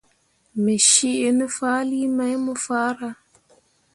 Me cii ne fahlii mai mo farah.